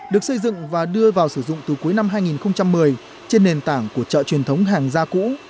được xây dựng và đưa vào sử dụng từ cuối năm hai nghìn một mươi trên nền tảng của chợ truyền thống hàng gia cũ